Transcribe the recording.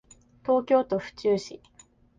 東京都府中市